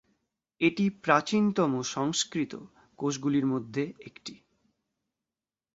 এটি প্রাচীনতম সংস্কৃত কোষগুলির মধ্যে একটি।